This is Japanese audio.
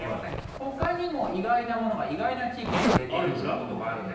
ほかにも、意外なものが、意外な地域で売れているということがあるんです。